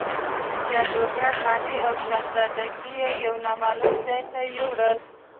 جادوګر ماڼۍ او شهزادګۍ یو نامعلوم ځای ته یووړل.